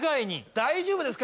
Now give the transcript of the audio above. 大丈夫ですか？